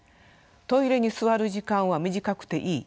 トイレに座る時間は短くていい。